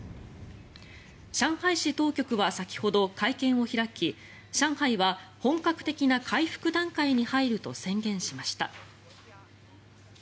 上海市当局は先ほど会見を開き上海は本格的な回復段階に入ると宣言しました。